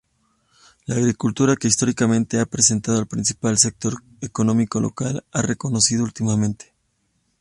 La agricultura, que históricamente ha representado el principal sector económico local, ha retrocedido últimamente.